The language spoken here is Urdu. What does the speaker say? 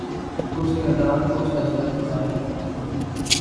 کچھ کردار کچھ عجلت کو ظاہر کرتے ہیں